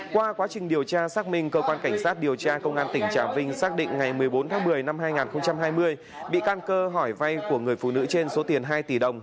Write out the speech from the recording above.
qua quá trình điều tra xác minh cơ quan cảnh sát điều tra công an tỉnh trà vinh xác định ngày một mươi bốn tháng một mươi năm hai nghìn hai mươi bị can cơ hỏi vay của người phụ nữ trên số tiền hai tỷ đồng